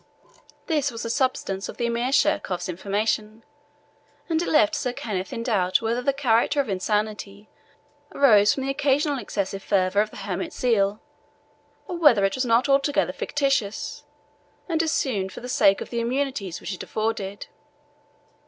This was the substance of the Emir Sheerkohf's information, and it left Sir Kenneth in doubt whether the character of insanity arose from the occasional excessive fervour of the hermit's zeal, or whether it was not altogether fictitious, and assumed for the sake of the immunities which it afforded.